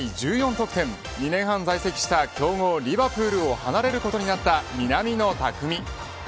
得点２年半在籍した強豪リヴァプールを離れることになった南野拓実。